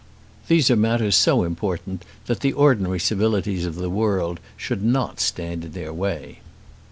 These are matters so important, that the ordinary civilities of the world should not stand in their way.